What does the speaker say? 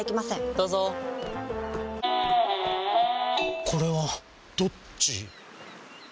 どうぞこれはどっち？